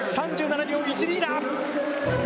３７秒１２だ！